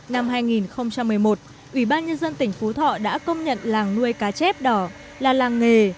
năm hai nghìn một mươi một ủy ban nhân dân tỉnh phú thọ đã công nhận làng nuôi cá chép đỏ là làng nghề